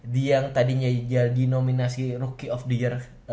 dia yang tadinya jadi nominasi rookie of the year